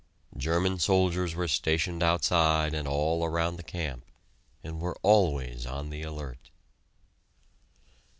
German soldiers were stationed outside and all around the camp, and were always on the alert.